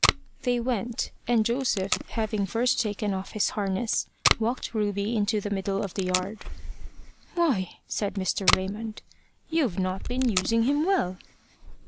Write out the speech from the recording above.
They went, and Joseph, having first taken off his harness, walked Ruby into the middle of the yard. "Why," said Mr. Raymond, "you've not been using him well."